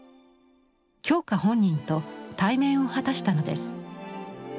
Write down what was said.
鏡花本人と対面を果たしたのです。